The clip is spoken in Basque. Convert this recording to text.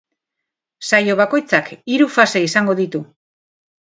Saio bakoitzak hiru fase izango ditu.